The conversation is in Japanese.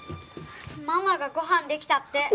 ママがご飯できたって。